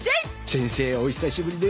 先生お久しぶりです